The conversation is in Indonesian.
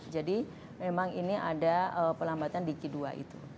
jadi memang ini ada perlambatan di kisatu itu